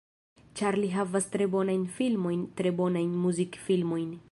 Ĉar li havas tre bonajn filmojn tre bonajn muzikfilmojn.